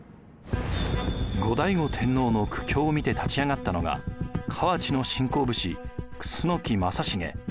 後醍醐天皇の苦境を見て立ち上がったのが河内の新興武士楠木正成。